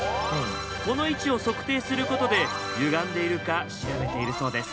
この位置を測定することでゆがんでいるか調べているそうです。